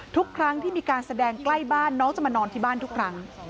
ทุกครั้งที่มีการแสดงใกล้บ้านน้องจะมานอนที่บ้านทุกครั้ง